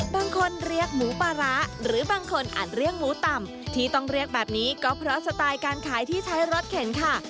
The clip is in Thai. บางคนเรียกหมูปลาร้าหรือบางคนอาจเรียกหมูต่ำที่ต้องเรียกแบบนี้ก็เพราะสไตล์การขายที่ใช้รถเข็นค่ะ